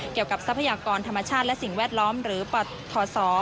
ทรัพยากรธรรมชาติและสิ่งแวดล้อมหรือปทศ